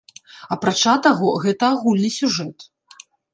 Апрача таго, гэта агульны сюжэт.